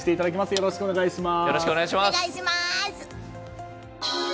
よろしくお願いします。